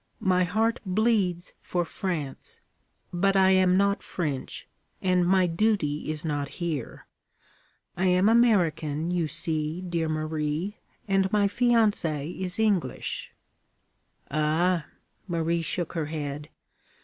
My heart bleeds for France; but I am not French, and my duty is not here. I am American, you see, dear Marie, and my fiancé is English.' 'Ah!' Marie shook her head.